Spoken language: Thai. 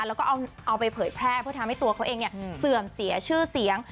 แล้วก็เอาไปเผยแพร่เพื่อทำให้ตัวเขาเองเสื่อมเสียชื่อเสียง